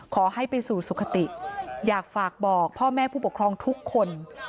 ขอให้ไปสู่สุขติอยากฝากบอกพ่อแม่ผู้ปกครองทุกคน